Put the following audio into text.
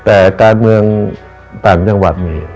แต่การเมืองต่างจังหวัดนี่